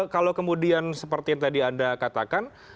kalau kemudian seperti yang tadi anda katakan